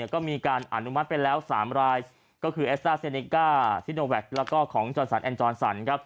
ก็มีการอนุมัติไปแล้ว๓รายก็คือแอสต้าเซเนก้าซิโนแวคแล้วก็ของจอนสันแอนจรสัน